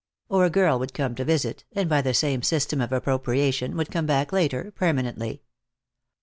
Or a girl would come to visit, and by the same system of appropriation would come back later, permanently.